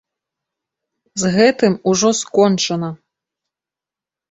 З гэтым ужо скончана!